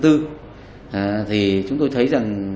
thì chúng tôi thấy rằng